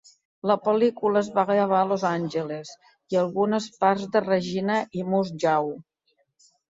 La pel·lícula es va gravar a Los Angeles i algunes parts de Regina i Moose Jaw.